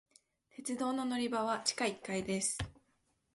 鉄道の乗り場は地下一階です。